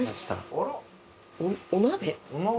お鍋？